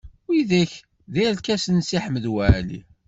Widak d irkasen n Si Ḥmed Waɛli.